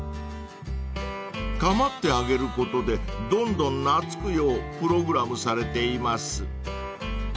［構ってあげることでどんどん懐くようプログラムされています］